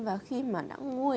và khi mà đã nguôi